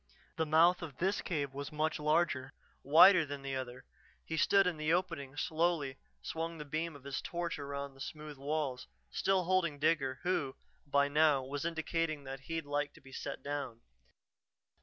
The mouth of this cave was much larger, wider than the other. He stood in the opening, slowly swung the beam of his torch around the smooth walls, still holding Digger, who, by now, was indicating that he'd like to be set down.